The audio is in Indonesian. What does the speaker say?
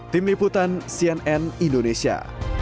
tim liputan cnn indonesia